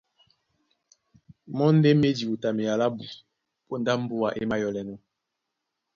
Mɔ́ ndé má e diwutamea lábū póndá mbúa é mayɔ́lɛnɔ̄,